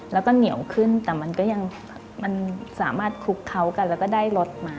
แล้วก็เหนียวขึ้นแต่มันก็ยังมันสามารถคลุกเคล้ากันแล้วก็ได้รสมา